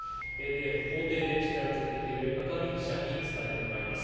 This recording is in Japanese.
法廷で取材を続けている赤木記者に伝えてもらいます。